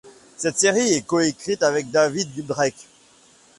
Cette série est coécrite avec David Drake.